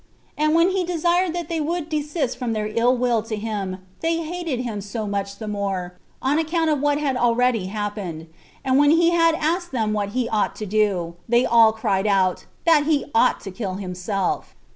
And when he desired that they would desist from their ill will to him, they hated him so much the more, on account of what had already happened; and when he had asked them what he ought to do, they all cried out, that he ought to kill himself.